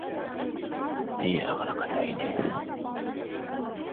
هي أغلقت عينيها.